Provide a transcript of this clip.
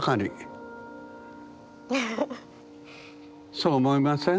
そう思いません？